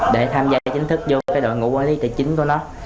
để tham gia chính thức vô cái đội ngũ quản lý tài chính của nó